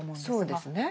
そうですね。